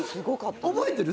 覚えてる？